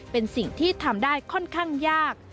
เป็นสิ่งที่ทำได้ค่อนข้างยาก